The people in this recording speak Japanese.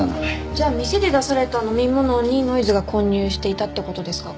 じゃあ店で出された飲み物にノイズが混入していたって事ですか？